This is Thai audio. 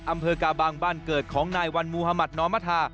อำเภอกาบังบ้านเกิดของนายวันมุธมัธนอมธา